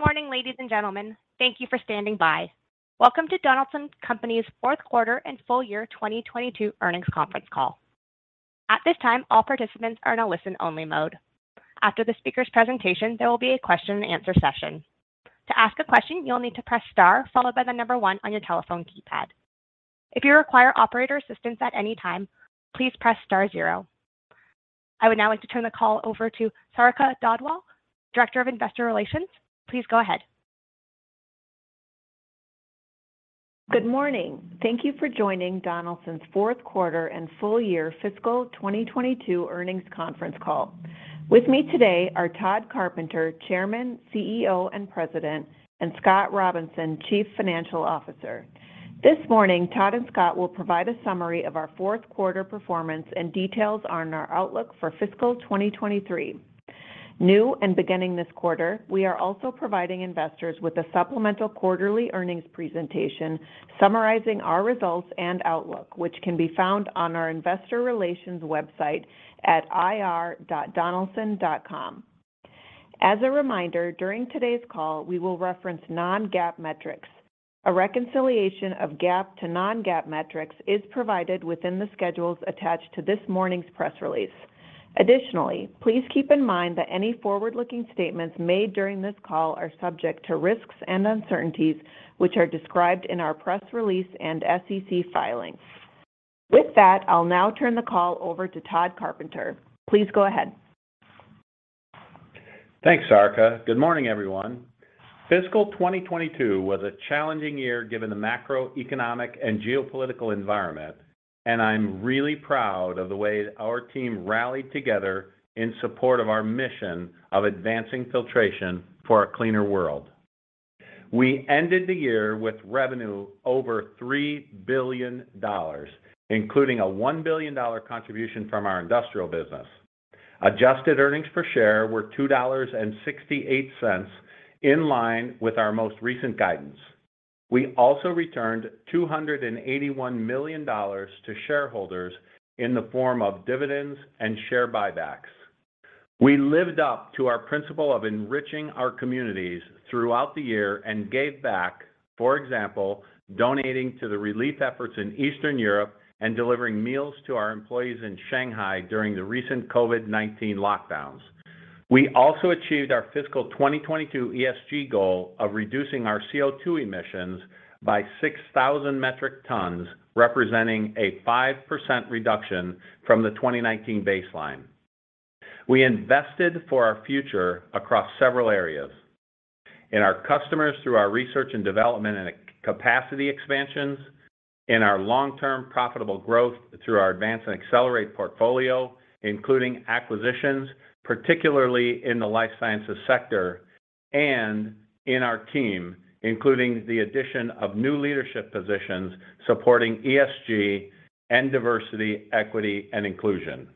Good morning, ladies and gentlemen. Thank you for standing by. Welcome to Donaldson Company's fourth quarter and full year 2022 earnings conference call. At this time, all participants are in a listen only mode. After the speaker's presentation, there will be a question and answer session. To ask a question, you'll need to press star followed by the number one on your telephone keypad. If you require operator assistance at any time, please press star zero. I would now like to turn the call over to Sarika Dhadwal, Director of Investor Relations. Please go ahead. Good morning. Thank you for joining Donaldson's fourth quarter and full year fiscal 2022 earnings conference call. With me today are Tod Carpenter, Chairman, CEO, and President, and Scott Robinson, Chief Financial Officer. This morning, Tod and Scott will provide a summary of our fourth quarter performance and details on our outlook for fiscal 2023. Now, beginning this quarter, we are also providing investors with a supplemental quarterly earnings presentation summarizing our results and outlook, which can be found on our investor relations website at ir.donaldson.com. As a reminder, during today's call, we will reference non-GAAP metrics. A reconciliation of GAAP to non-GAAP metrics is provided within the schedules attached to this morning's press release. Additionally, please keep in mind that any forward-looking statements made during this call are subject to risks and uncertainties which are described in our press release and SEC filings. With that, I'll now turn the call over to Tod Carpenter. Please go ahead. Thanks, Sarika. Good morning, everyone. Fiscal 2022 was a challenging year given the macroeconomic and geopolitical environment, and I'm really proud of the way our team rallied together in support of our mission of advancing filtration for a cleaner world. We ended the year with revenue over $3 billion, including a $1 billion contribution from our industrial business. Adjusted earnings per share were $2.68, in line with our most recent guidance. We also returned $281 million to shareholders in the form of dividends and share buybacks. We lived up to our principle of enriching our communities throughout the year and gave back, for example, donating to the relief efforts in Eastern Europe and delivering meals to our employees in Shanghai during the recent COVID-19 lockdowns. We also achieved our fiscal 2022 ESG goal of reducing our CO2 emissions by 6,000 metric tons, representing a 5% reduction from the 2019 baseline. We invested for our future across several areas. In our customers through our research and development and capacity expansions. In our long-term profitable growth through our Advance and Accelerate portfolio, including acquisitions, particularly in the life sciences sector. In our team, including the addition of new leadership positions supporting ESG and diversity, equity, and inclusion.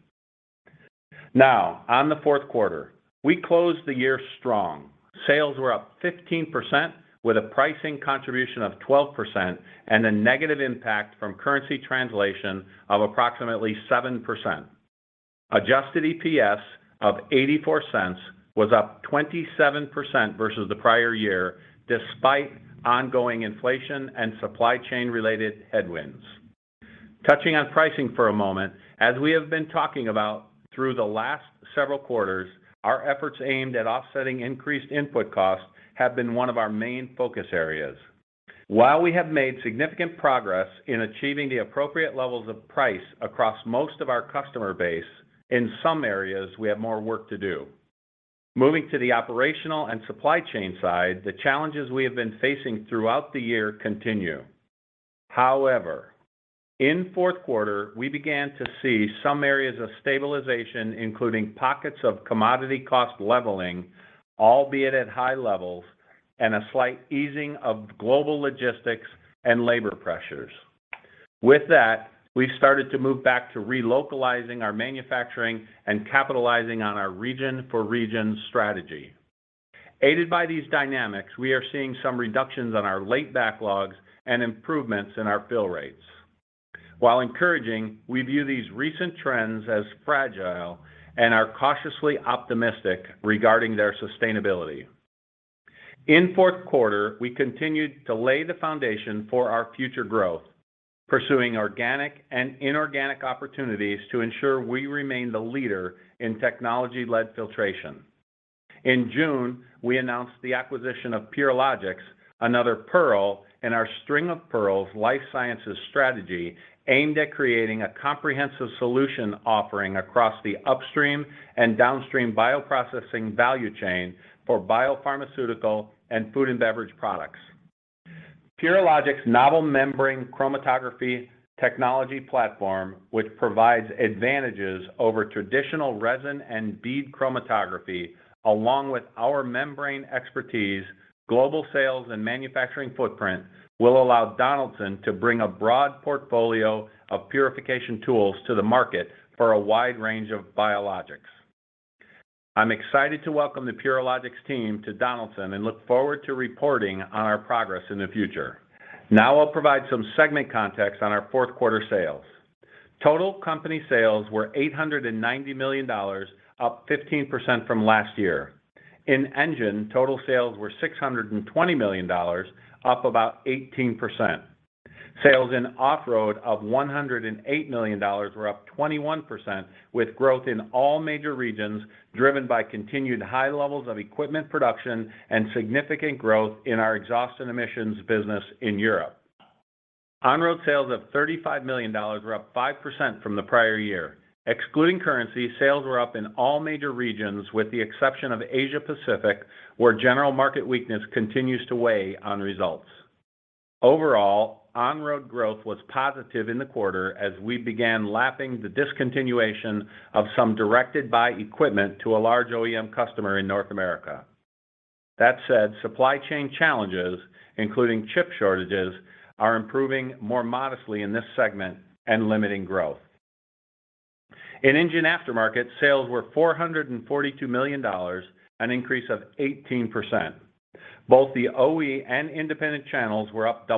In the fourth quarter, we closed the year strong. Sales were up 15% with a pricing contribution of 12% and a negative impact from currency translation of approximately 7%. Adjusted EPS of $0.84 was up 27% versus the prior year, despite ongoing inflation and supply chain related headwinds. Touching on pricing for a moment, as we have been talking about through the last several quarters, our efforts aimed at offsetting increased input costs have been one of our main focus areas. While we have made significant progress in achieving the appropriate levels of price across most of our customer base, in some areas, we have more work to do. Moving to the operational and supply chain side, the challenges we have been facing throughout the year continue. However, in fourth quarter, we began to see some areas of stabilization, including pockets of commodity cost leveling, albeit at high levels, and a slight easing of global logistics and labor pressures. With that, we started to move back to relocalizing our manufacturing and capitalizing on our in-region-for-region strategy. Aided by these dynamics, we are seeing some reductions on our late backlogs and improvements in our fill rates. While encouraging, we view these recent trends as fragile and are cautiously optimistic regarding their sustainability. In fourth quarter, we continued to lay the foundation for our future growth, pursuing organic and inorganic opportunities to ensure we remain the leader in technology-led filtration. In June, we announced the acquisition of Purilogics, another pearl in our String of Pearls life sciences strategy aimed at creating a comprehensive solution offering across the upstream and downstream bioprocessing value chain for biopharmaceutical and food and beverage products. Purilogics' novel membrane chromatography technology platform, which provides advantages over traditional resin and bead chromatography, along with our membrane expertise, global sales and manufacturing footprint, will allow Donaldson to bring a broad portfolio of purification tools to the market for a wide range of biologics. I'm excited to welcome the Purilogics team to Donaldson and look forward to reporting on our progress in the future. Now I'll provide some segment context on our fourth quarter sales. Total company sales were $890 million, up 15% from last year. In Engine, total sales were $620 million, up about 18%. Sales in Off-Road of $108 million were up 21%, with growth in all major regions, driven by continued high levels of equipment production and significant growth in our exhaust and emissions business in Europe. On-Road sales of $35 million were up 5% from the prior year. Excluding currency, sales were up in all major regions with the exception of Asia-Pacific, where general market weakness continues to weigh on results. Overall, On-Road growth was positive in the quarter as we began lapping the discontinuation of some directed-buy equipment to a large OEM customer in North America. That said, supply chain challenges, including chip shortages, are improving more modestly in this segment and limiting growth. In Engine Aftermarket, sales were $442 million, an increase of 18%. Both the OE and independent channels were up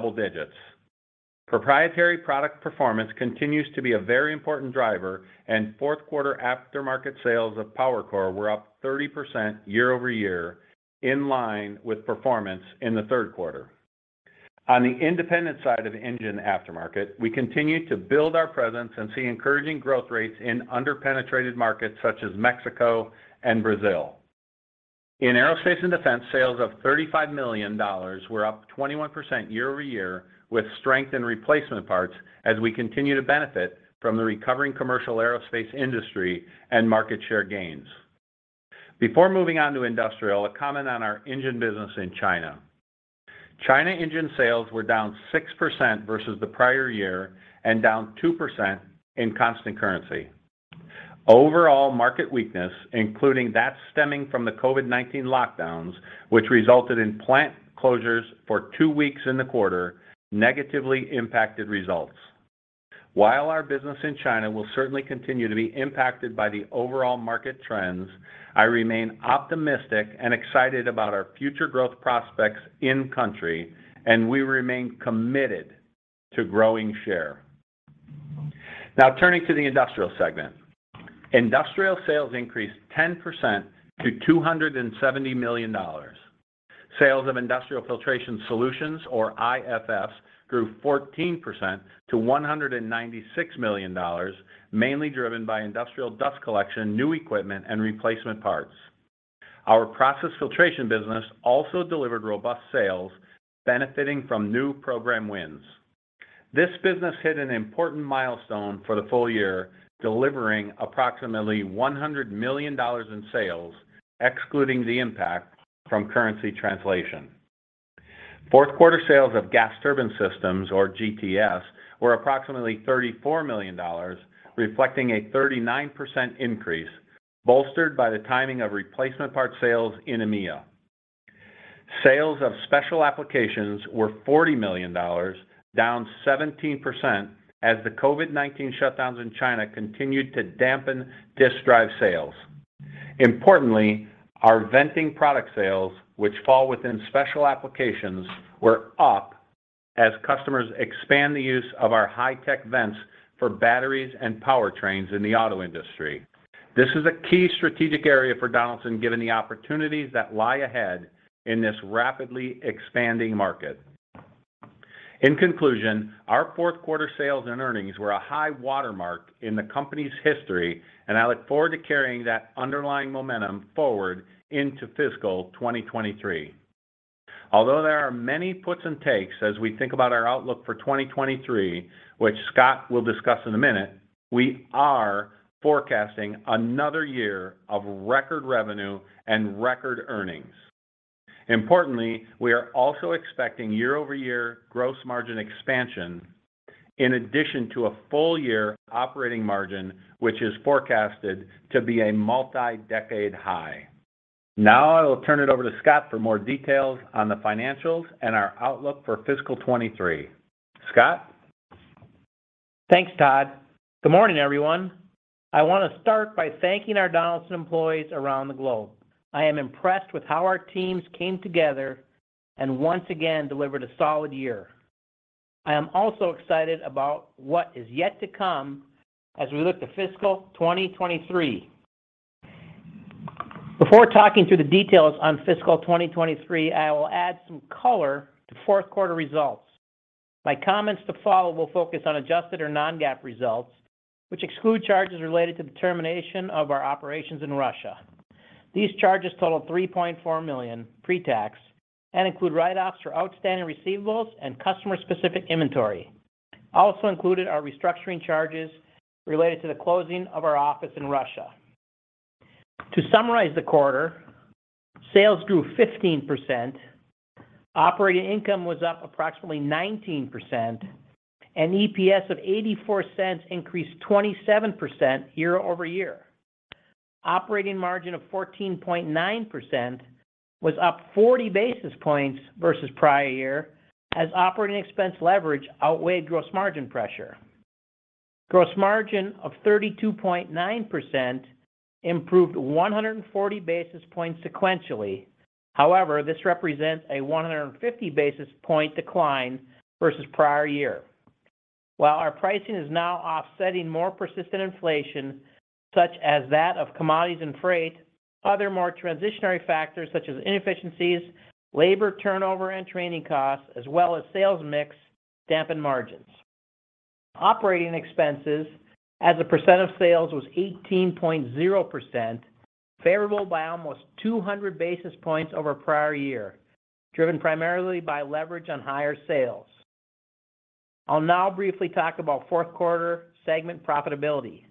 double digits. Proprietary product performance continues to be a very important driver, and fourth quarter Aftermarket sales of PowerCore were up 30% year-over-year, in line with performance in the third quarter. On the independent side of Engine Aftermarket, we continue to build our presence and see encouraging growth rates in under-penetrated markets such as Mexico and Brazil. In Aerospace and Defense, sales of $35 million were up 21% year-over-year, with strength in replacement parts as we continue to benefit from the recovering commercial aerospace industry and market share gains. Before moving on to Industrial, a comment on our Engine business in China. China Engine sales were down 6% versus the prior year and down 2% in constant currency. Overall market weakness, including that stemming from the COVID-19 lockdowns, which resulted in plant closures for two weeks in the quarter, negatively impacted results. While our business in China will certainly continue to be impacted by the overall market trends, I remain optimistic and excited about our future growth prospects in country, and we remain committed to growing share. Now turning to the Industrial segment. Industrial sales increased 10% to $270 million. Sales of Industrial Filtration Solutions, or IFS, grew 14% to $196 million, mainly driven by industrial dust collection, new equipment, and replacement parts. Our process filtration business also delivered robust sales, benefiting from new program wins. This business hit an important milestone for the full year, delivering approximately $100 million in sales, excluding the impact from currency translation. Fourth quarter sales of gas turbine systems, or GTS, were approximately $34 million, reflecting a 39% increase, bolstered by the timing of replacement part sales in EMEA. Sales of special applications were $40 million, down 17% as the COVID-19 shutdowns in China continued to dampen disk drive sales. Importantly, our venting product sales, which fall within special applications, were up as customers expand the use of our high-tech vents for batteries and powertrains in the auto industry. This is a key strategic area for Donaldson, given the opportunities that lie ahead in this rapidly expanding market. In conclusion, our fourth quarter sales and earnings were a high watermark in the company's history, and I look forward to carrying that underlying momentum forward into fiscal 2023. Although there are many puts and takes as we think about our outlook for 2023, which Scott will discuss in a minute, we are forecasting another year of record revenue and record earnings. Importantly, we are also expecting year-over-year gross margin expansion in addition to a full year operating margin, which is forecasted to be a multi-decade high. Now I will turn it over to Scott for more details on the financials and our outlook for fiscal 2023. Scott? Thanks, Tod. Good morning, everyone. I want to start by thanking our Donaldson employees around the globe. I am impressed with how our teams came together and once again delivered a solid year. I am also excited about what is yet to come as we look to fiscal 2023. Before talking through the details on fiscal 2023, I will add some color to fourth quarter results. My comments to follow will focus on adjusted or non-GAAP results, which exclude charges related to the termination of our operations in Russia. These charges total $3.4 million pre-tax and include write-offs for outstanding receivables and customer-specific inventory. Also included are restructuring charges related to the closing of our office in Russia. To summarize the quarter, sales grew 15%, operating income was up approximately 19%, and EPS of $0.84 increased 27% year-over-year. Operating margin of 14.9% was up 40 basis points versus prior year as operating expense leverage outweighed gross margin pressure. Gross margin of 32.9% improved 140 basis points sequentially. However, this represents a 150 basis point decline versus prior year. While our pricing is now offsetting more persistent inflation, such as that of commodities and freight, other more transitory factors such as inefficiencies, labor turnover, and training costs, as well as sales mix, dampen margins. Operating expenses as a percent of sales was 18.0%, favorable by almost 200 basis points over prior year, driven primarily by leverage on higher sales. I'll now briefly talk about fourth quarter segment profitability.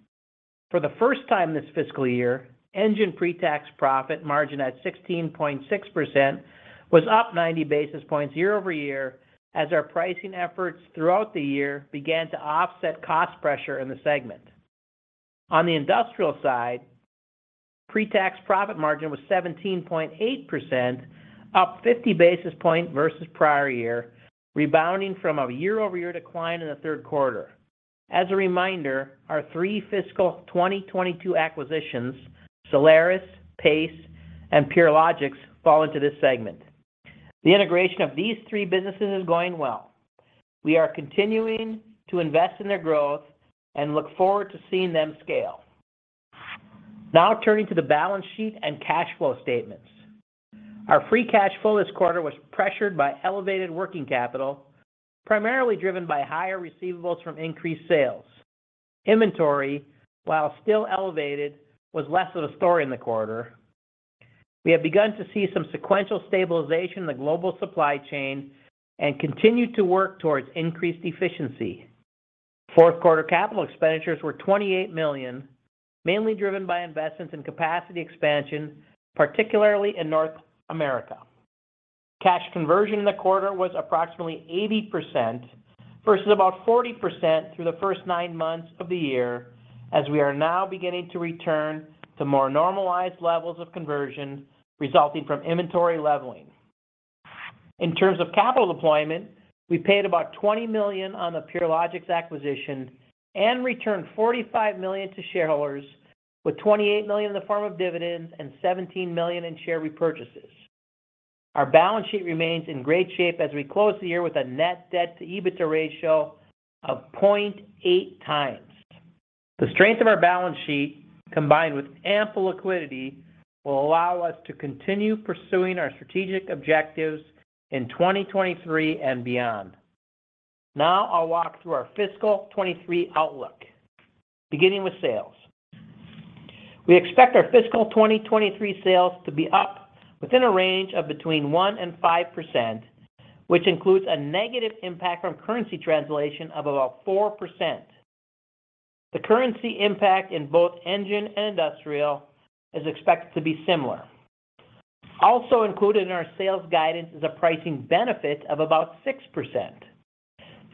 For the first time this fiscal year, engine pre-tax profit margin at 16.6% was up 90 basis points year-over-year as our pricing efforts throughout the year began to offset cost pressure in the segment. On the industrial side, pre-tax profit margin was 17.8%, up 50 basis points versus prior year, rebounding from a year-over-year decline in the third quarter. As a reminder, our three fiscal 2022 acquisitions, Solaris, Pace, and Purilogics, fall into this segment. The integration of these three businesses is going well. We are continuing to invest in their growth and look forward to seeing them scale. Now turning to the balance sheet and cash flow statements. Our free cash flow this quarter was pressured by elevated working capital, primarily driven by higher receivables from increased sales. Inventory, while still elevated, was less of a story in the quarter. We have begun to see some sequential stabilization in the global supply chain and continue to work towards increased efficiency. Fourth quarter capital expenditures were $28 million, mainly driven by investments in capacity expansion, particularly in North America. Cash conversion in the quarter was approximately 80% versus about 40% through the first nine months of the year, as we are now beginning to return to more normalized levels of conversion resulting from inventory leveling. In terms of capital deployment, we paid about $20 million on the Purilogics acquisition and returned $45 million to shareholders with $28 million in the form of dividends and $17 million in share repurchases. Our balance sheet remains in great shape as we close the year with a net debt to EBITDA ratio of 0.8 times. The strength of our balance sheet combined with ample liquidity will allow us to continue pursuing our strategic objectives in 2023 and beyond. Now I'll walk through our fiscal 2023 outlook, beginning with sales. We expect our fiscal 2023 sales to be up within a range of between 1% and 5%, which includes a negative impact from currency translation of about 4%. The currency impact in both engine and industrial is expected to be similar. Also included in our sales guidance is a pricing benefit of about 6%.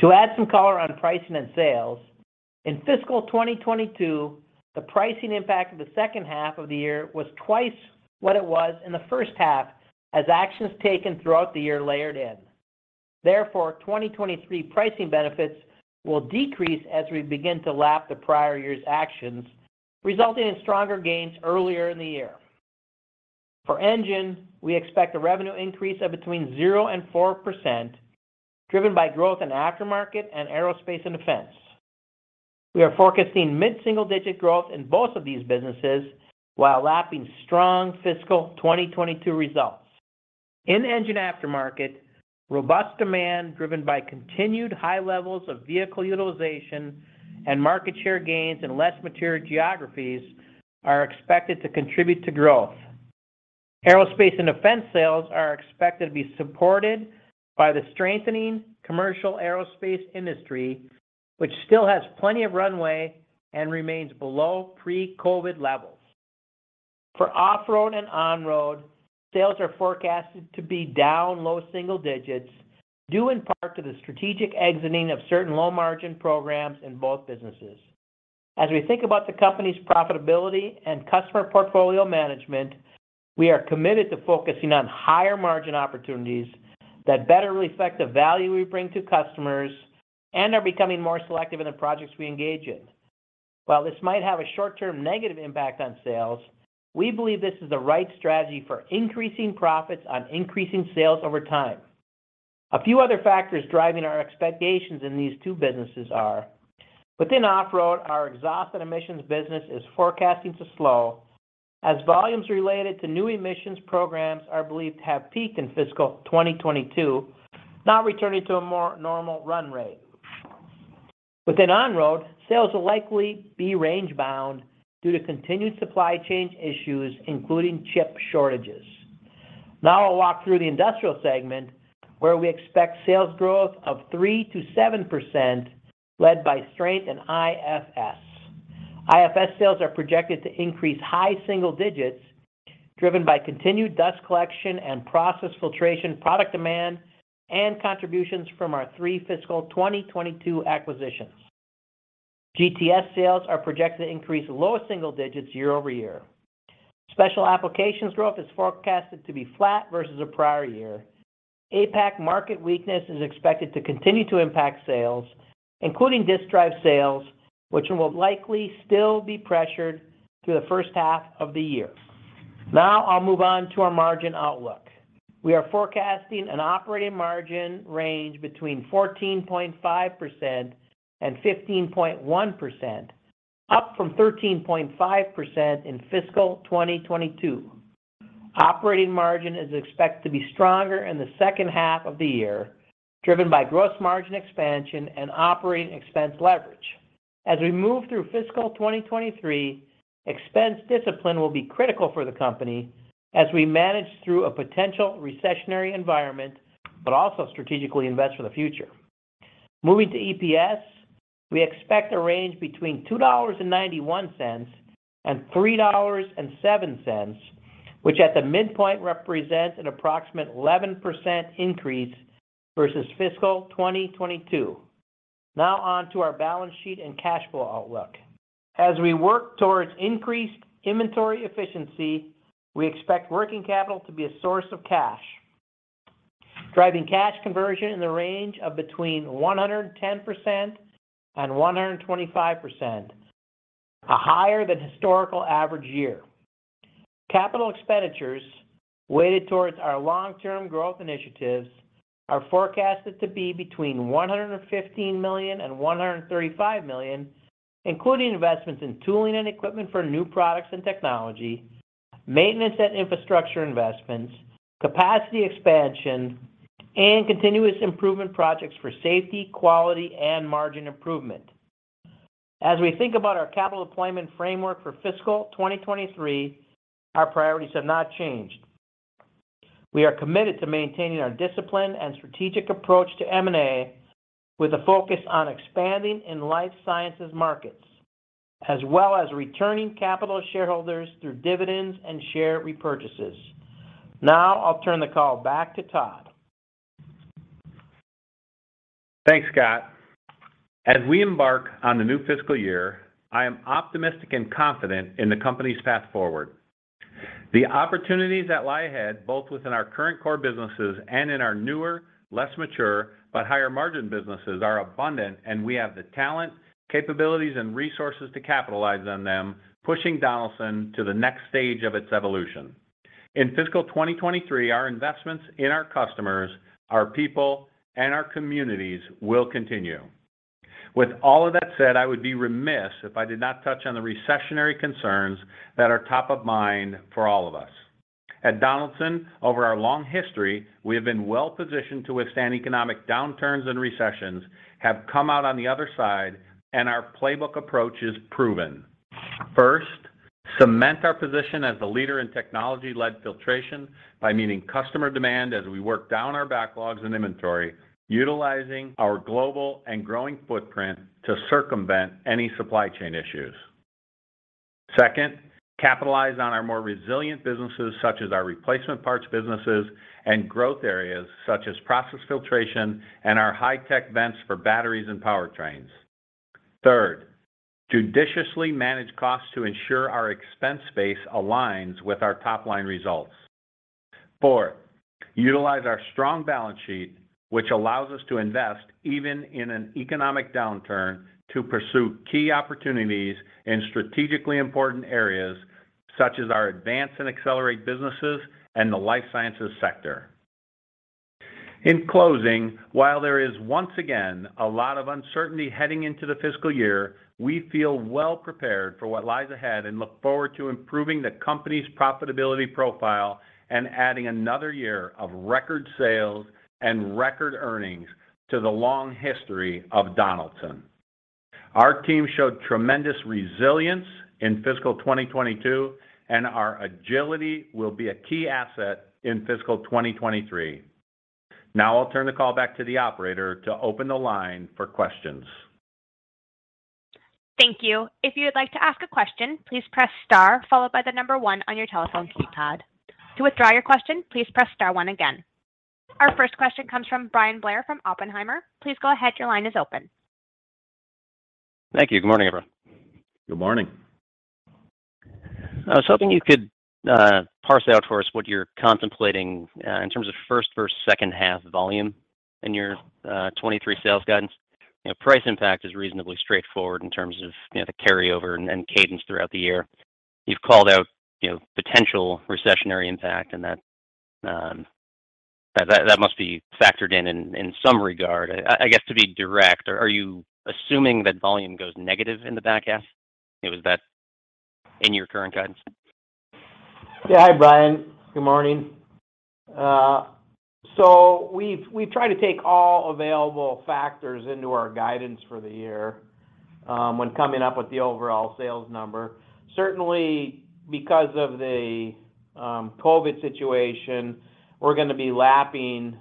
To add some color on pricing and sales, in fiscal 2022, the pricing impact of the second half of the year was twice what it was in the first half as actions taken throughout the year layered in. Therefore, 2023 pricing benefits will decrease as we begin to lap the prior year's actions, resulting in stronger gains earlier in the year. For Engine, we expect a revenue increase of between 0% and 4%, driven by growth in Aftermarket and Aerospace and Defense. We are forecasting mid-single-digit growth in both of these businesses while lapping strong fiscal 2022 results. In Engine Aftermarket, robust demand driven by continued high levels of vehicle utilization and market share gains in less mature geographies are expected to contribute to growth. Aerospace and Defense sales are expected to be supported by the strengthening commercial aerospace industry, which still has plenty of runway and remains below pre-COVID levels. For Off-Road and On-Road, sales are forecasted to be down low single digits due in part to the strategic exiting of certain low-margin programs in both businesses. As we think about the company's profitability and customer portfolio management, we are committed to focusing on higher margin opportunities that better reflect the value we bring to customers and are becoming more selective in the projects we engage in. While this might have a short-term negative impact on sales, we believe this is the right strategy for increasing profits on increasing sales over time. A few other factors driving our expectations in these two businesses are within Off-Road, our exhaust and emissions business is forecasting to slow as volumes related to new emissions programs are believed to have peaked in fiscal 2022, now returning to a more normal run rate. Within On-Road, sales will likely be range bound due to continued supply chain issues, including chip shortages. Now I'll walk through the industrial segment, where we expect sales growth of 3%-7% led by strength in IFS. IFS sales are projected to increase high single digits driven by continued dust collection and process filtration product demand and contributions from our three fiscal 2022 acquisitions. GTS sales are projected to increase low single digits year over year. Special Applications growth is forecasted to be flat versus the prior year. APAC market weakness is expected to continue to impact sales, including disk drive sales, which will likely still be pressured through the first half of the year. Now I'll move on to our margin outlook. We are forecasting an operating margin range between 14.5% and 15.1%, up from 13.5% in fiscal 2022. Operating margin is expected to be stronger in the second half of the year, driven by gross margin expansion and operating expense leverage. As we move through fiscal 2023, expense discipline will be critical for the company as we manage through a potential recessionary environment, but also strategically invest for the future. Moving to EPS, we expect a range between $2.91 and $3.07, which at the midpoint represents an approximate 11% increase versus fiscal 2022. Now on to our balance sheet and cash flow outlook. As we work towards increased inventory efficiency, we expect working capital to be a source of cash, driving cash conversion in the range of between 110% and 125%, a higher than historical average year. Capital expenditures weighted towards our long-term growth initiatives are forecasted to be between $115 million and $135 million, including investments in tooling and equipment for new products and technology, maintenance and infrastructure investments, capacity expansion, and continuous improvement projects for safety, quality, and margin improvement. As we think about our capital deployment framework for fiscal 2023, our priorities have not changed. We are committed to maintaining our discipline and strategic approach to M&A with a focus on expanding in life sciences markets, as well as returning capital to shareholders through dividends and share repurchases. Now I'll turn the call back to Tod. Thanks, Scott. As we embark on the new fiscal year, I am optimistic and confident in the company's path forward. The opportunities that lie ahead, both within our current core businesses and in our newer, less mature, but higher margin businesses are abundant, and we have the talent, capabilities, and resources to capitalize on them, pushing Donaldson to the next stage of its evolution. In fiscal 2023, our investments in our customers, our people, and our communities will continue. With all of that said, I would be remiss if I did not touch on the recessionary concerns that are top of mind for all of us. At Donaldson, over our long history, we have been well-positioned to withstand economic downturns and recessions, have come out on the other side, and our playbook approach is proven. First, cement our position as the leader in technology-led filtration by meeting customer demand as we work down our backlogs and inventory, utilizing our global and growing footprint to circumvent any supply chain issues. Second, capitalize on our more resilient businesses such as our replacement parts businesses and growth areas such as process filtration and our high-tech vents for batteries and powertrains. Third, judiciously manage costs to ensure our expense base aligns with our top-line results. Fourth, utilize our strong balance sheet, which allows us to invest even in an economic downturn to pursue key opportunities in strategically important areas such as our Advance and Accelerate businesses and the life sciences sector. In closing, while there is once again a lot of uncertainty heading into the fiscal year, we feel well prepared for what lies ahead and look forward to improving the company's profitability profile and adding another year of record sales and record earnings to the long history of Donaldson. Our team showed tremendous resilience in fiscal 2022, and our agility will be a key asset in fiscal 2023. Now I'll turn the call back to the operator to open the line for questions. Thank you. If you would like to ask a question, please press star followed by the number one on your telephone keypad. To withdraw your question, please press star one again. Our first question comes from Bryan Blair from Oppenheimer. Please go ahead. Your line is open. Thank you. Good morning, everyone. Good morning. I was hoping you could parse out for us what you're contemplating in terms of first versus second half volume in your 2023 sales guidance. You know, price impact is reasonably straightforward in terms of, you know, the carryover and cadence throughout the year. You've called out, you know, potential recessionary impact, and that must be factored in in some regard. I guess, to be direct, are you assuming that volume goes negative in the back half? Is that in your current guidance? Yeah. Hi, Brian. Good morning. We've tried to take all available factors into our guidance for the year when coming up with the overall sales number. Certainly, because of the COVID situation, we're gonna be lapping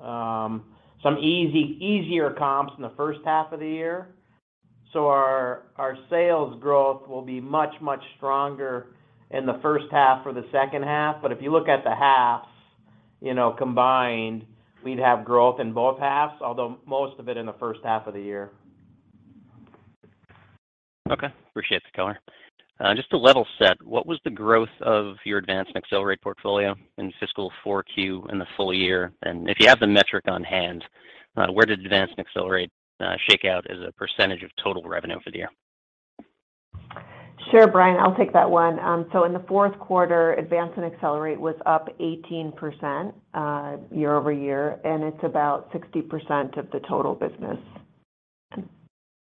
some easier comps in the first half of the year. Our sales growth will be much stronger in the first half or the second half. If you look at the halves, you know, combined, we'd have growth in both halves, although most of it in the first half of the year. Okay. Appreciate the color. Just to level set, what was the growth of your Advance and Accelerate portfolio in fiscal 4Q and in the full year? If you have the metric on hand, where did Advance and Accelerate shake out as a % of total revenue for the year? Sure, Brian, I'll take that one. In the fourth quarter, Advance and Accelerate was up 18%, year-over-year, and it's about 60% of the total business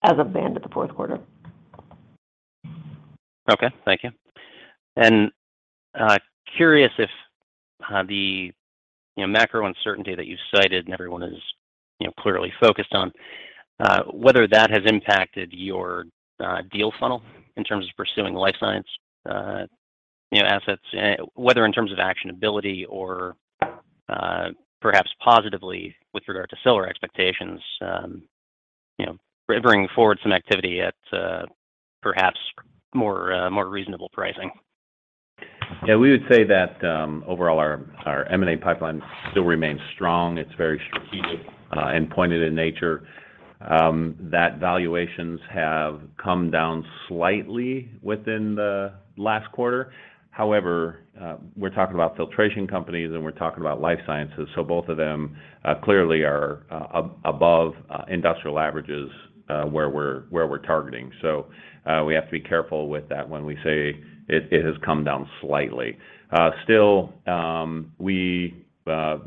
as of the end of the fourth quarter. Okay. Thank you. Curious if, you know, the macro uncertainty that you cited and everyone is, you know, clearly focused on, whether that has impacted your deal funnel in terms of pursuing life science, you know, assets, whether in terms of actionability or, perhaps positively with regard to seller expectations, you know, bringing forward some activity at, perhaps more reasonable pricing? Yeah, we would say that overall our M&A pipeline still remains strong. It's very strategic and pointed in nature. Valuations have come down slightly within the last quarter. However, we're talking about filtration companies, and we're talking about life sciences, so both of them clearly are above industrial averages where we're targeting. We have to be careful with that when we say it has come down slightly. Still, we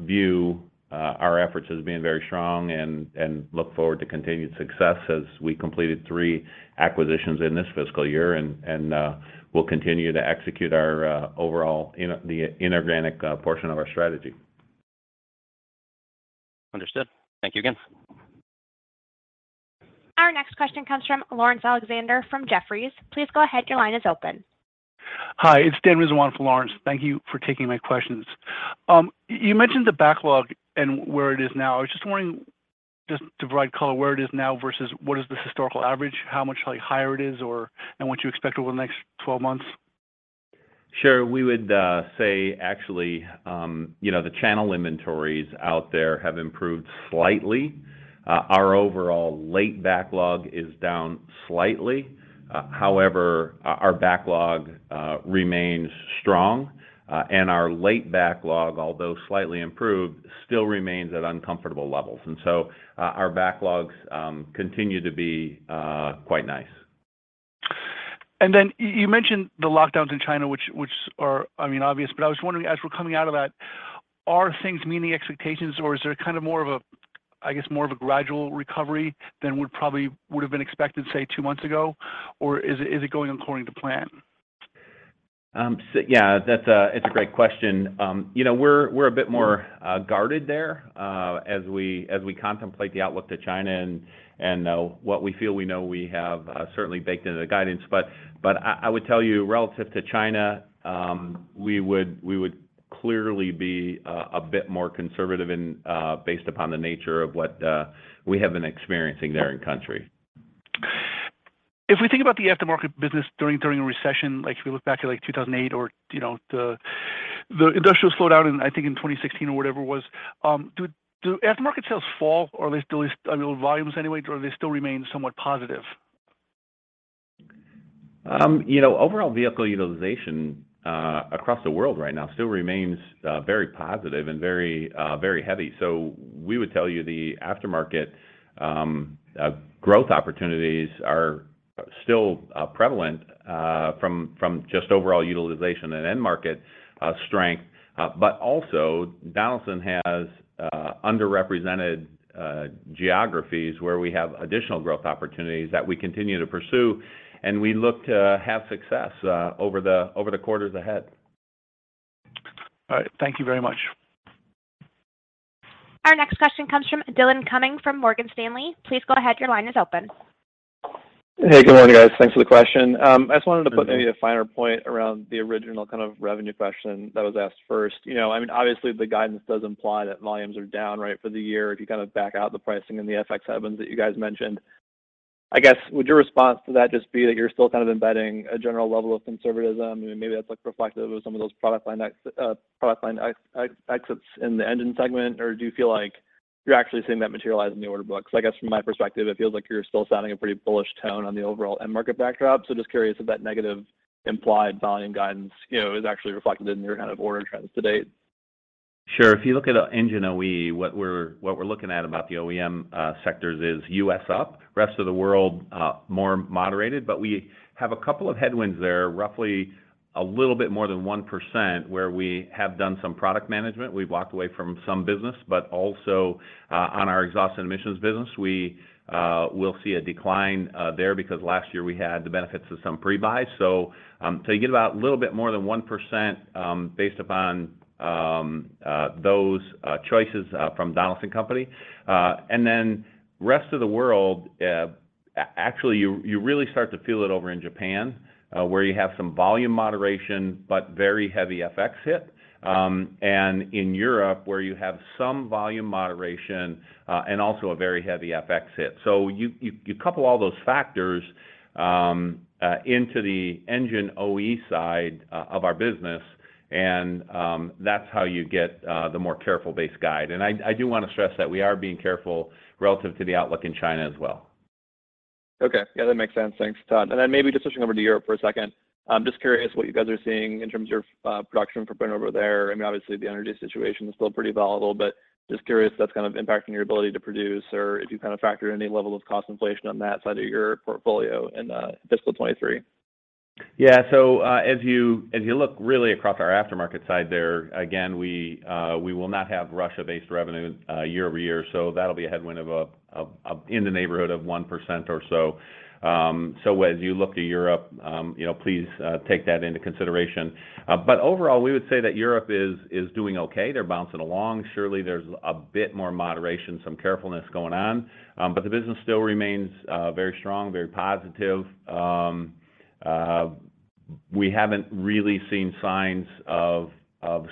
view our efforts as being very strong and look forward to continued success as we completed three acquisitions in this fiscal year and we'll continue to execute our overall inorganic portion of our strategy. Understood. Thank you again. Our next question comes from Laurence Alexander from Jefferies. Please go ahead. Your line is open. Hi, it's Dan Rizwan for Lawrence. Thank you for taking my questions. You mentioned the backlog and where it is now. I was just wondering, just to provide color, where it is now versus what is the historical average, how much, like, higher it is or, and what you expect over the next 12 months. Sure. We would say actually, you know, the channel inventories out there have improved slightly. Our overall late backlog is down slightly. However, our backlog remains strong, and our late backlog, although slightly improved, still remains at uncomfortable levels. Our backlogs continue to be quite nice. You mentioned the lockdowns in China, which are, I mean, obvious, but I was wondering, as we're coming out of that, are things meeting expectations or is there kind of more of a, I guess, more of a gradual recovery than would probably have been expected, say, two months ago? Or is it going according to plan? Yeah, that's a great question. You know, we're a bit more guarded there as we contemplate the outlook to China and what we feel we know we have certainly baked into the guidance. I would tell you relative to China, we would clearly be a bit more conservative and based upon the nature of what we have been experiencing there in country. If we think about the Aftermarket business during a recession, like if we look back to like 2008 or, you know, the industrial slowdown in, I think, in 2016 or whatever it was, do Aftermarket sales fall? Or at least, I know, volumes anyway, or they still remain somewhat positive? You know, overall vehicle utilization across the world right now still remains very positive and very heavy. We would tell you the Aftermarket growth opportunities are still prevalent from just overall utilization and end market strength. Donaldson has underrepresented geographies where we have additional growth opportunities that we continue to pursue, and we look to have success over the quarters ahead. All right. Thank you very much. Our next question comes from Dillon Cumming from Morgan Stanley. Please go ahead. Your line is open. Hey, good morning, guys. Thanks for the question. I just wanted to put maybe a finer point around the original kind of revenue question that was asked first. You know, I mean, obviously the guidance does imply that volumes are down, right, for the year if you kind of back out the pricing and the FX headwinds that you guys mentioned. I guess, would your response to that just be that you're still kind of embedding a general level of conservatism, and maybe that's like reflective of some of those product line exits in the engine segment, or do you feel like you're actually seeing that materialize in the order books? I guess from my perspective, it feels like you're still sounding a pretty bullish tone on the overall end market backdrop. Just curious if that negative implied volume guidance, you know, is actually reflected in your kind of order trends to date? Sure. If you look at Engine OE, what we're looking at about the OEM sectors is U.S. up, rest of the world more moderated. We have a couple of headwinds there, roughly a little bit more than 1%, where we have done some product management. We've walked away from some business, but also on our exhaust and emissions business, we will see a decline there because last year we had the benefits of some pre-buy. You get about a little bit more than 1% based upon those choices from Donaldson Company. Rest of the world actually you really start to feel it over in Japan where you have some volume moderation, but very heavy FX hit. In Europe, where you have some volume moderation and also a very heavy FX hit. You couple all those factors into the engine OE side of our business, and that's how you get the more careful base guide. I do wanna stress that we are being careful relative to the outlook in China as well. Okay. Yeah, that makes sense. Thanks, Tod. Maybe just switching over to Europe for a second. I'm just curious what you guys are seeing in terms of production footprint over there. I mean, obviously, the energy situation is still pretty volatile, but just curious if that's kind of impacting your ability to produce or if you kind of factor any level of cost inflation on that side of your portfolio in fiscal 2023. Yeah. As you look really across our Aftermarket side there, again, we will not have Russia-based revenue year-over-year, so that'll be a headwind in the neighborhood of 1% or so. As you look to Europe, you know, please take that into consideration. Overall, we would say that Europe is doing okay. They're bouncing along. Surely there's a bit more moderation, some carefulness going on. The business still remains very strong, very positive. We haven't really seen signs of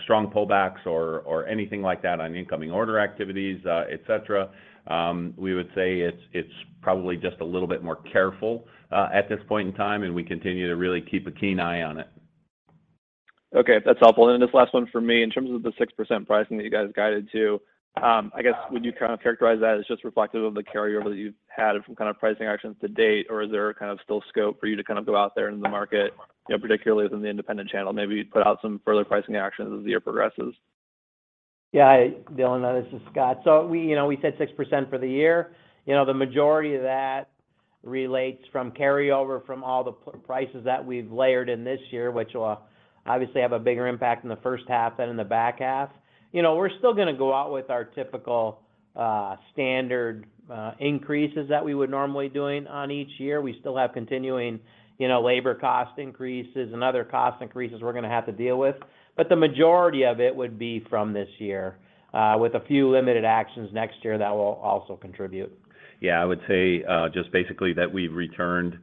strong pullbacks or anything like that on incoming order activities, et cetera. We would say it's probably just a little bit more careful at this point in time, and we continue to really keep a keen eye on it. Okay. That's helpful. This last one from me, in terms of the 6% pricing that you guys guided to, I guess would you kind of characterize that as just reflective of the carryover that you've had from kind of pricing actions to date, or is there kind of still scope for you to kind of go out there in the market, you know, particularly within the independent channel, maybe put out some further pricing actions as the year progresses? Yeah. Hi Dillon, this is Scott. We, you know, we said 6% for the year. You know, the majority of that relates from carryover from all the prices that we've layered in this year, which will obviously have a bigger impact in the first half than in the back half. You know, we're still gonna go out with our typical, standard, increases that we would normally do in each year. We still have continuing, you know, labor cost increases and other cost increases we're gonna have to deal with. The majority of it would be from this year, with a few limited actions next year that will also contribute. Yeah. I would say, just basically that we've returned,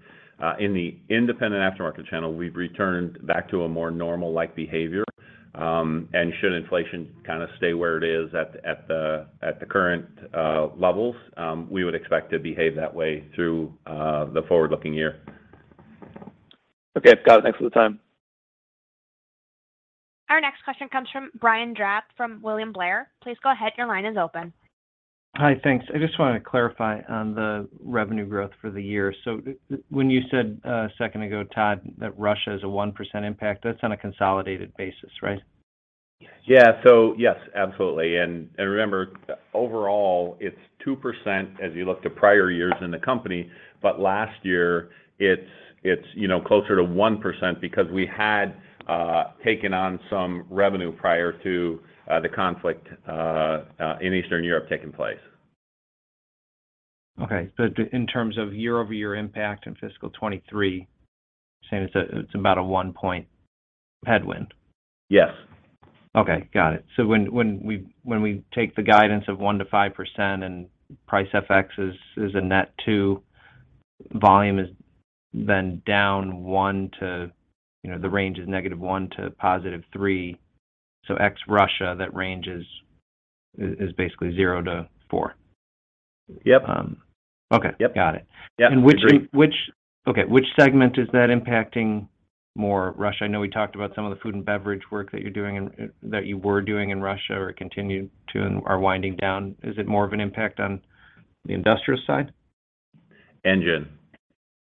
in the independent Aftermarket channel, we've returned back to a more normal-like behavior. Should inflation kind of stay where it is at the current levels, we would expect to behave that way through the forward-looking year. Okay, Scott. Thanks for the time. Our next question comes from Brian Drab from William Blair. Please go ahead, your line is open. Hi. Thanks. I just wanted to clarify on the revenue growth for the year. When you said a second ago, Tod, that Russia is a 1% impact, that's on a consolidated basis, right? Yeah. So yes, absolutely. Remember, overall it's 2% as you look to prior years in the company, but last year it's, you know, closer to 1% because we had taken on some revenue prior to the conflict in Eastern Europe taking place. Okay. In terms of year-over-year impact in fiscal 2023, saying it's about a one-point headwind? Yes. Okay. Got it. When we take the guidance of 1%-5% and price and FX is a net 2%, volume is then down 1%. You know, the range is -1% to +3%. Ex-Russia, that range is basically 0%-4%. Yep. Okay. Yep. Got it. Yep. Agree. Which segment is that impacting more, Russia? I know we talked about some of the food and beverage work that you're doing and that you were doing in Russia or continue to and are winding down. Is it more of an impact on the industrial side? Engine.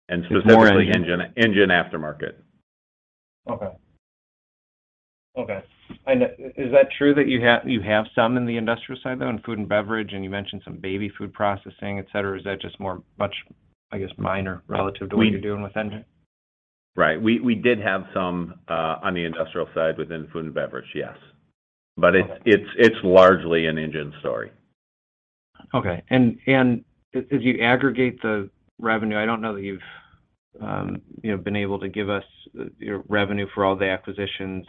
Specifically engine. Specifically Engine Aftermarket. Okay. Is that true that you have some in the industrial side though, in food and beverage, and you mentioned some baby food processing, et cetera? Or is that just much more, I guess, minor relative to what you're doing with engine? Right. We did have some on the industrial side within food and beverage, yes. Okay. It's largely an engine story. Okay. As you aggregate the revenue, I don't know that you've, you know, been able to give us your revenue for all the acquisitions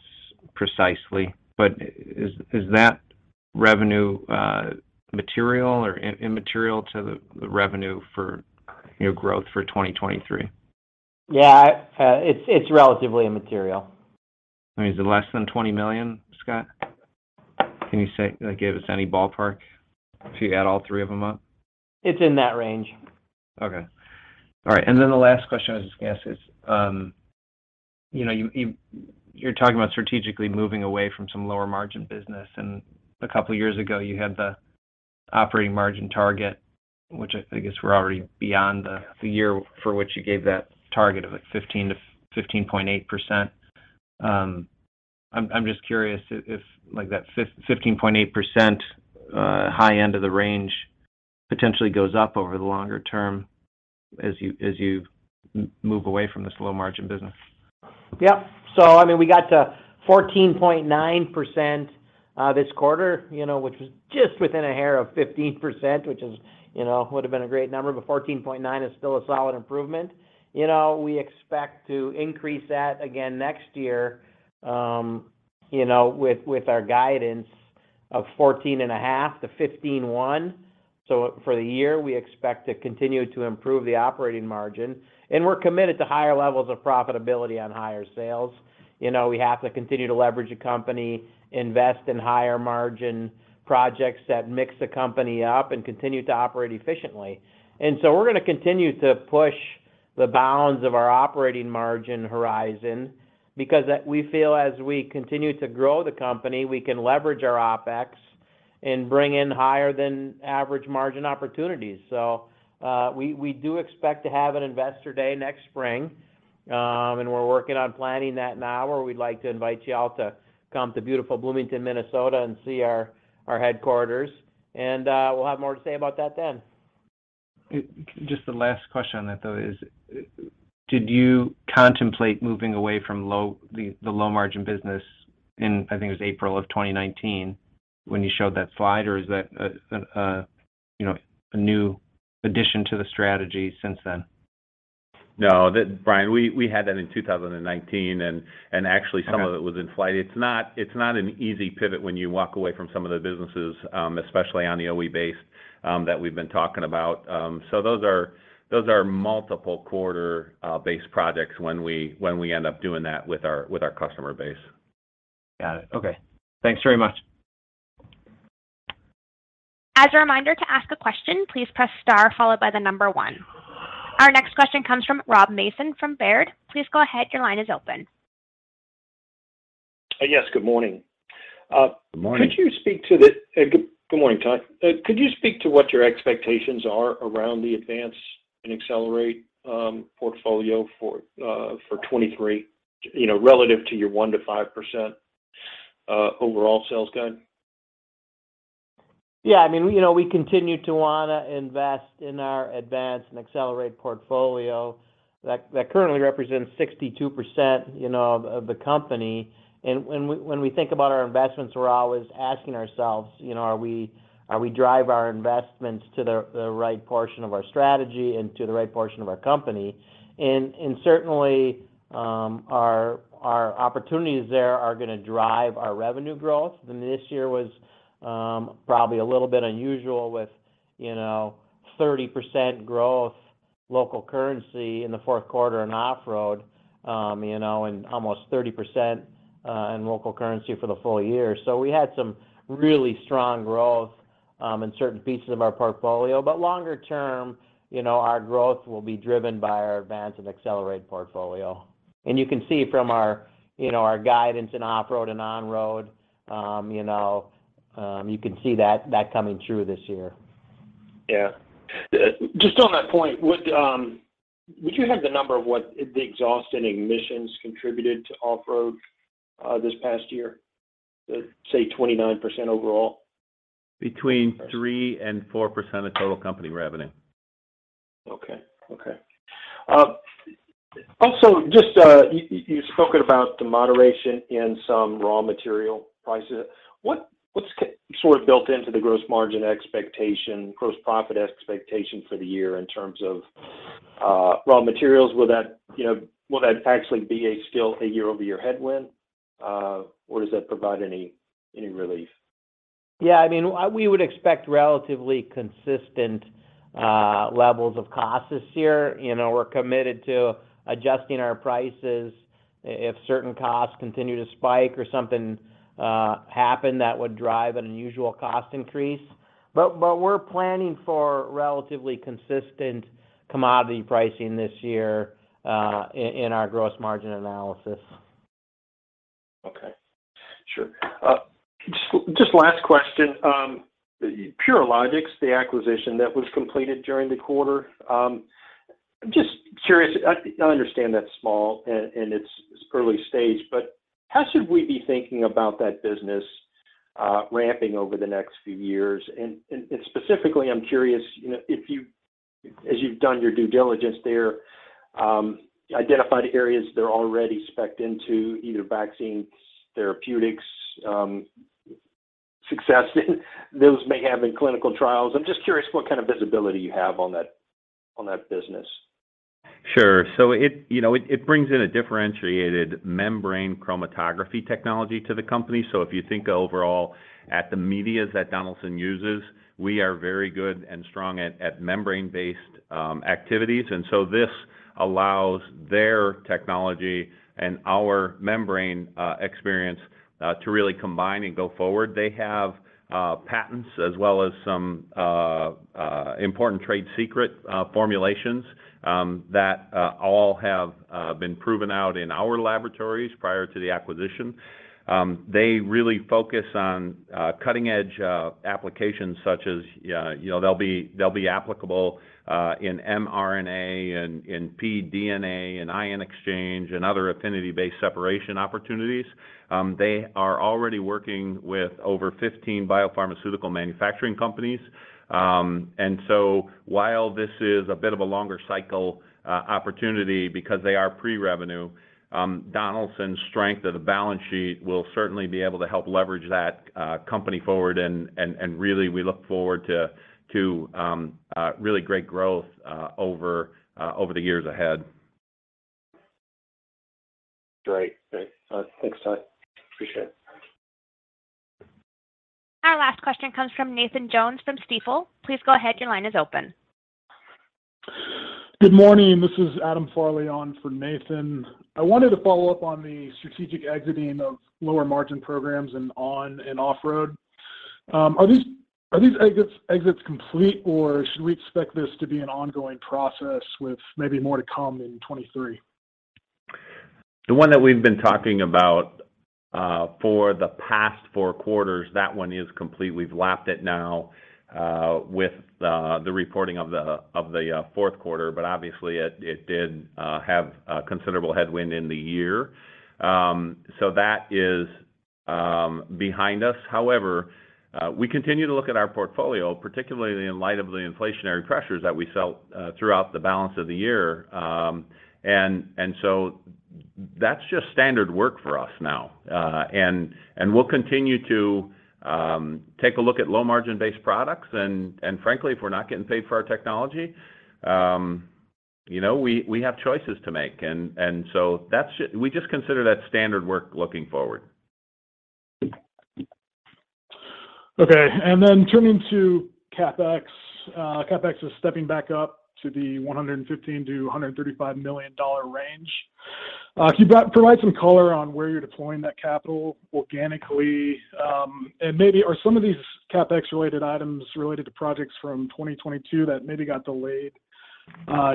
precisely, but is that revenue material or immaterial to the revenue for your growth for 2023? Yeah. It's relatively immaterial. I mean, is it less than $20 million, Scott? Can you say, like, give us any ballpark if you add all three of them up? It's in that range. Okay. All right. Then the last question I was gonna ask is, you know, you're talking about strategically moving away from some lower margin business, and a couple of years ago you had the operating margin target, which I guess we're already beyond the year for which you gave that target of, like, 15%-15.8%. I'm just curious if like that 15.8% high end of the range potentially goes up over the longer term as you move away from this low margin business. I mean, we got to 14.9% this quarter, you know, which was just within a hair of 15%, which is, you know, would've been a great number, but 14.9% is still a solid improvement. You know, we expect to increase that again next year, you know, with our guidance of 14.5%-15.1%. For the year, we expect to continue to improve the operating margin, and we're committed to higher levels of profitability on higher sales. You know, we have to continue to leverage the company, invest in higher margin projects that mix the company up and continue to operate efficiently. We're gonna continue to push the bounds of our operating margin horizon because we feel as we continue to grow the company, we can leverage our OpEx and bring in higher than average margin opportunities. We do expect to have an investor day next spring, and we're working on planning that now, where we'd like to invite you all to come to beautiful Bloomington, Minnesota and see our headquarters. We'll have more to say about that then. Just the last question on that, though, is did you contemplate moving away from the low margin business in, I think it was April of 2019 when you showed that slide? Or is that a, you know, a new addition to the strategy since then? No. That, Brian, we had that in 2019 and actually some of it was in flight. It's not an easy pivot when you walk away from some of the businesses, especially on the OE base, that we've been talking about. Those are multiple quarter base projects when we end up doing that with our customer base. Got it. Okay. Thanks very much. As a reminder, to ask a question, please press star followed by the number one. Our next question comes from Rob Mason from Baird. Please go ahead, your line is open. Yes, good morning. Good morning. Good morning, Tod. Could you speak to what your expectations are around the Advance and Accelerate portfolio for 2023, you know, relative to your 1%-5% overall sales guide? Yeah. I mean, you know, we continue to wanna invest in our Advance and Accelerate portfolio that currently represents 62%, you know, of the company. When we think about our investments, we're always asking ourselves, you know, are we drive our investments to the right portion of our strategy and to the right portion of our company? Certainly, our opportunities there are gonna drive our revenue growth. This year was probably a little bit unusual with, you know, 30% growth local currency in the fourth quarter in Off-Road, you know, and almost 30% in local currency for the full year. We had some really strong growth in certain pieces of our portfolio. Longer term, you know, our growth will be driven by our Advance and Accelerate portfolio. You can see from our, you know, our guidance in Off-Road and On-Road, you know, you can see that coming through this year. Yeah. Just on that point, would you have the number of what the exhaust and emissions contributed to Off-Road this past year? The, say, 29% overall. Between 3% and 4% of total company revenue. Okay, also just, you've spoken about the moderation in some raw material prices. What's sort of built into the gross margin expectation, gross profit expectation for the year in terms of raw materials? Will that, you know, will that actually be still a year-over-year headwind, or does that provide any relief? Yeah, I mean, we would expect relatively consistent levels of costs this year. You know, we're committed to adjusting our prices if certain costs continue to spike or something happen that would drive an unusual cost increase. We're planning for relatively consistent commodity pricing this year in our gross margin analysis. Okay, sure. Just last question. Purilogics, the acquisition that was completed during the quarter. I'm just curious, I understand that's small and it's early stage, but how should we be thinking about that business ramping over the next few years? Specifically, I'm curious, you know, as you've done your due diligence there, identified areas that are already specced into either vaccines, therapeutics, successes those may have in clinical trials. I'm just curious what kind of visibility you have on that business. Sure. You know, it brings in a differentiated membrane chromatography technology to the company. If you think overall at the media that Donaldson uses, we are very good and strong at membrane-based activities. This allows their technology and our membrane experience to really combine and go forward. They have patents as well as some important trade secret formulations that all have been proven out in our laboratories prior to the acquisition. They really focus on cutting-edge applications such as, you know, they'll be applicable in mRNA and in pDNA and ion exchange and other affinity-based separation opportunities. They are already working with over 15 biopharmaceutical manufacturing companies. While this is a bit of a longer cycle, opportunity because they are pre-revenue, Donaldson's strength of the balance sheet will certainly be able to help leverage that, company forward. Really we look forward to really great growth over the years ahead. Great. Thanks, Tod. Appreciate it. Our last question comes from Nathan Jones from Stifel. Please go ahead, your line is open. Good morning, this is Adam Farley on for Nathan. I wanted to follow up on the strategic exiting of lower margin programs in On-Road and Off-Road. Are these exits complete, or should we expect this to be an ongoing process with maybe more to come in 2023? The one that we've been talking about for the past four quarters, that one is complete. We've lapped it now with the reporting of the fourth quarter. Obviously it did have a considerable headwind in the year. That is behind us. However, we continue to look at our portfolio, particularly in light of the inflationary pressures that we felt throughout the balance of the year. That's just standard work for us now. We'll continue to take a look at low margin-based products and frankly, if we're not getting paid for our technology, you know, we have choices to make. We just consider that standard work looking forward. Okay. Turning to CapEx. CapEx is stepping back up to the $115 million-$135 million range. Can you provide some color on where you're deploying that capital organically? Maybe are some of these CapEx related items related to projects from 2022 that maybe got delayed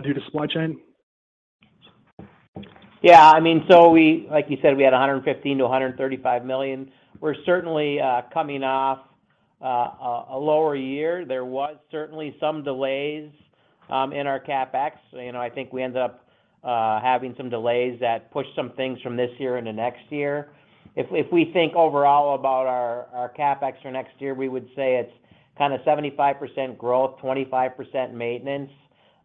due to supply chain? Yeah. I mean, like you said, we had $115 million-$135 million. We're certainly coming off a lower year. There was certainly some delays in our CapEx. You know, I think we ended up having some delays that pushed some things from this year into next year. If we think overall about our CapEx for next year, we would say it's kinda 75% growth, 25% maintenance.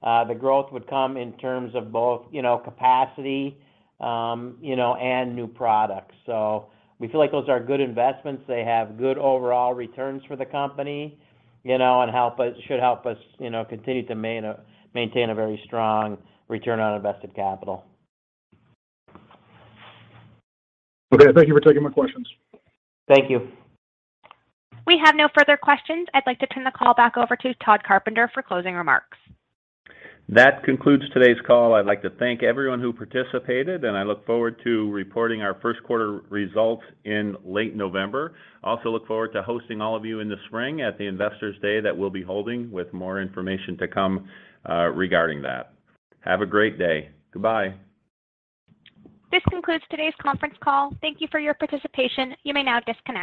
The growth would come in terms of both, you know, capacity, you know, and new products. We feel like those are good investments. They have good overall returns for the company, you know, and should help us, you know, continue to maintain a very strong return on invested capital. Okay. Thank you for taking my questions. Thank you. We have no further questions. I'd like to turn the call back over to Tod Carpenter for closing remarks. That concludes today's call. I'd like to thank everyone who participated, and I look forward to reporting our first quarter results in late November. Also look forward to hosting all of you in the spring at the Investors Day that we'll be holding with more information to come regarding that. Have a great day. Goodbye. This concludes today's conference call. Thank you for your participation. You may now disconnect.